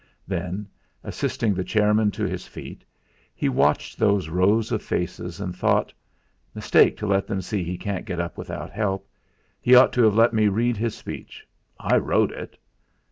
Then, assisting the chairman to his feet, he watched those rows of faces, and thought: 'Mistake to let them see he can't get up without help. He ought to have let me read his speech I wrote it.'